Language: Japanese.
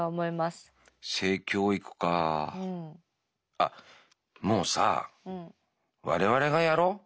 あっもうさ我々がやろう。